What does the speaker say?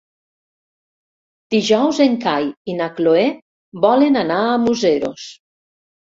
Dijous en Cai i na Cloè volen anar a Museros.